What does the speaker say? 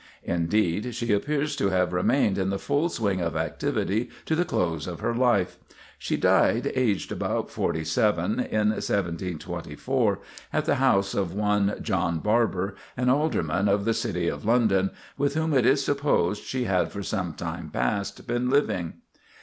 Indeed, she appears to have remained in the full swing of activity to the close of her life. She died, aged about forty seven, in 1724, at the house of one John Barber, an alderman of the City of London, with whom it is supposed she had for some time past been living.